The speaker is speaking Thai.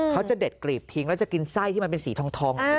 เขาจะเด็ดกรีบทิ้งแล้วจะกินไส้ที่มันเป็นสีทอง